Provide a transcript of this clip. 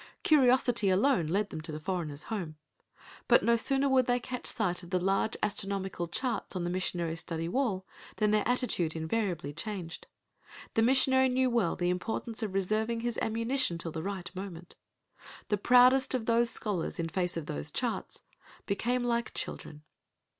Curiosity alone led them to the foreigner's home. But no sooner would they catch sight of the large astronomical charts on the missionary's study wall than their attitude invariably changed. The missionary knew well the importance of reserving his ammunition till the right moment! The proudest of those scholars in face of those charts became like children.